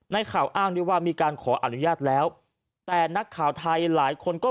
ข่าวอ้างด้วยว่ามีการขออนุญาตแล้วแต่นักข่าวไทยหลายคนก็